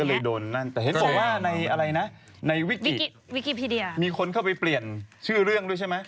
ก็เลยโดนนั่นแต่เห็นบอกว่าในอะไรนะในวิกีพีเดียมีคนเข้าไปเปลี่ยนชื่อเรื่องด้วยใช่ไหม